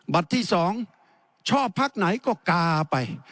ที่๒ชอบพักไหนก็กาไป